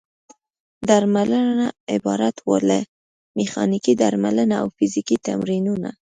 درملنه عبارت وه له: میخانیکي درملنه او فزیکي تمرینونه.